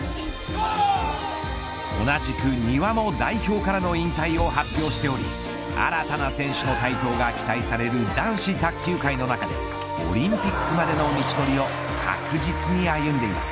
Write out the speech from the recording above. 同じく丹羽も代表からの引退を発表しており新たな選手の台頭が期待される男子卓球界の中でオリンピックまでの道のりを確実に歩んでいます。